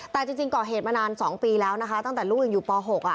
แต่จริงก่อเหตุมานาน๒ปีแล้วนะคะตั้งแต่ลูกยังอยู่ป๖